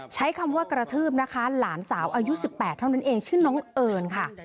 ใช้คำว่ากระทืบนะคะหลานสาวอายุ๑๘เท่านั้นเองชื่อน้องเอิญค่ะ